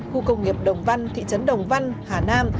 khu công nghiệp đồng văn thị trấn đồng văn hà nam